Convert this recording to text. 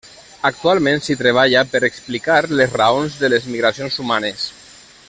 Actualment s'hi treballa per explicar les raons de les migracions humanes.